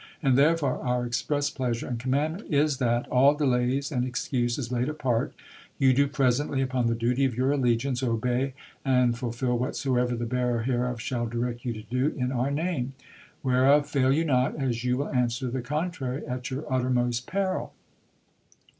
and therefore, our express pleasure and commandment is that, all delays and excuses laid apart, you do presently, upon the duty of your allegiance, obey and fulfil whatsoever the bearer hereof shall direct you to do in our name. Whereof fail you not, as you will answer the contrary at your uttermost peril."